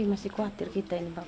masih khawatir kita ini bang